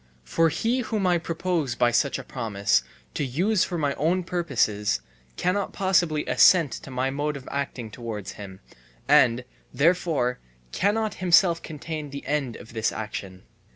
For he whom I propose by such a promise to use for my own purposes cannot possibly assent to my mode of acting towards him and, therefore, cannot himself contain the end of this action.